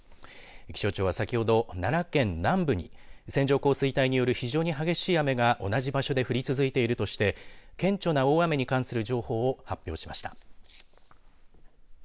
気象庁は先ほど、奈良県南部に線状降水帯による非常に激しい雨が同じ場所に降り続いているとして顕著な大雨に関する情報を発表しました。